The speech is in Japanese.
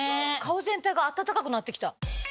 顔全体が温かくなってきた。